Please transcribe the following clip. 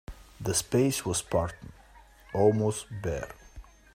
The space was spartan, almost bare.